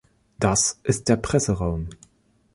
Das ist der Presseraum.